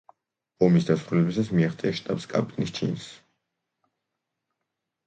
ომის დასრულებისას მიაღწია შტაბს-კაპიტნის ჩინს.